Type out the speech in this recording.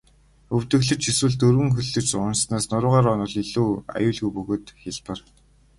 Өвдөглөж эсвэл дөрвөн хөллөж унаснаас нуруугаараа унавал илүү аюулгүй бөгөөд хялбар.